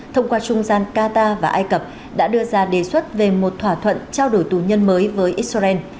thông qua trung gian qatar và ai cập đã đưa ra đề xuất về một thỏa thuận trao đổi tù nhân mới với israel